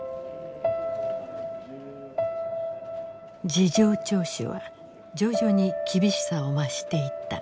事情聴取は徐々に厳しさを増していった。